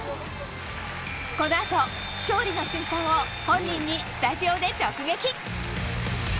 この後、勝利の瞬間を本人にスタジオで直撃。